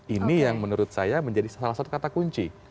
ini yang menurut saya menjadi salah satu kata kunci